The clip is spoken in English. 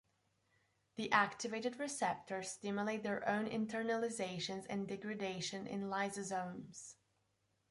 The activated receptors stimulate their own internalization and degradation in lysosomes.